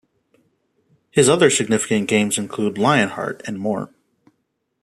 His other significant games include "LionHeart" and more.